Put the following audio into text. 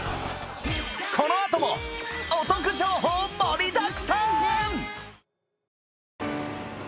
このあともお得情報盛りだくさん！